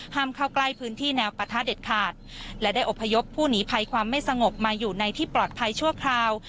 เข้าใกล้พื้นที่แนวปะทะเด็ดขาดและได้อบพยพผู้หนีภัยความไม่สงบมาอยู่ในที่ปลอดภัยชั่วคราว